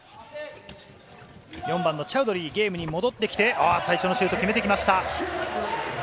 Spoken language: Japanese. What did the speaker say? ４番のチャウドリー、ゲームに戻ってきて最初のシュート、決めてきました。